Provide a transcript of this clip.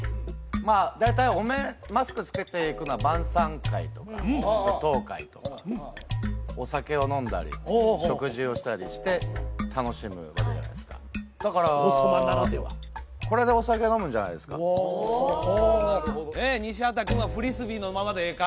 まあ大体お面マスクつけていくのは晩さん会とか舞踏会とかお酒を飲んだり食事をしたりして楽しむわけじゃないですかだから王様ならではこれでお酒飲むんじゃないですかああねえ西畑君はフリスビーのままでええか？